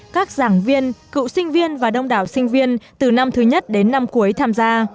các giảng viên cựu sinh viên và đông đảo sinh viên từ năm thứ nhất đến năm cuối tham gia